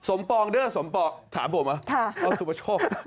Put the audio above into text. ปองเด้อสมปองถามผมเหรอสุประโชค